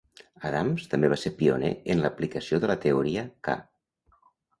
Adams també va ser pioner en l'aplicació de la teoria K.